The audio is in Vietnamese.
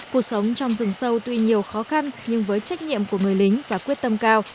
cuộc sống trong rừng sâu tuy nhiều khó khăn nhưng với trách nhiệm của người lính và quyết tâm cao